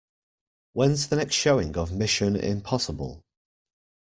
When's the next showing of Mission: Impossible?